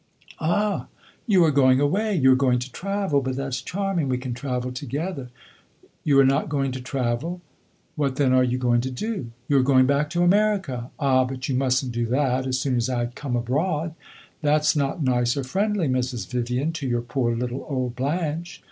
"Ah, you are going away? You are going to travel? But that 's charming; we can travel together. You are not going to travel? What then are you going to do? You are going back to America? Ah, but you must n't do that, as soon as I come abroad; that 's not nice or friendly, Mrs. Vivian, to your poor little old Blanche.